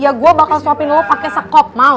ya gue bakal suapin lo pake sekop mau